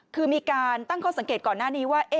คือมีการตั้งข้อสังเกตก่อนหน้านี้ว่า